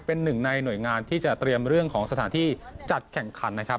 เป็นหนึ่งในหน่วยงานที่จะเตรียมเรื่องของสถานที่จัดแข่งขันนะครับ